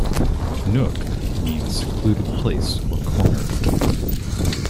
"Nook" means secluded place or corner.